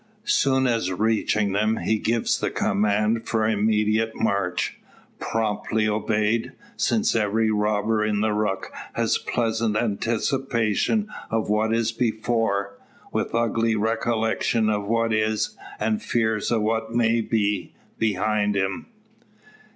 Soon as reaching them, he gives the command for immediate march; promptly obeyed, since every robber in the ruck has pleasant anticipation of what is before, with ugly recollection of what is, and fears of what may be, behind him.